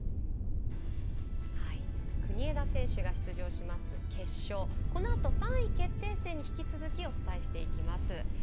国枝選手が出場します決勝、このあと３位決定戦に引き続きお伝えしていきます。